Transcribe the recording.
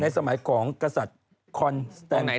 ในสมัยของกษัตริย์คอนแสนติก